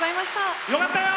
よかったよ！